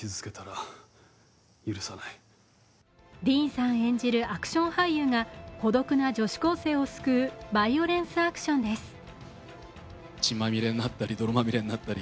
ディーンさん演じるアクション俳優が孤独な女子高生を救うバイオレンスアクションです。